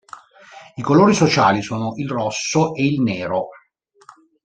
I colori sociali sono il rosso e il nero.